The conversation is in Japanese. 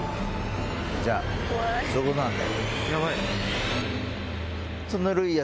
じゃあそういうことなんで。